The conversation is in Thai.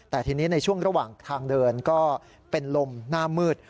แต่ทีนี้ในช่วงระหว่างทางเดินก็เป็นลมหน้ามืด